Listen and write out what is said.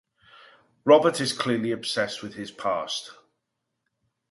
Robert is clearly obsessed with his past.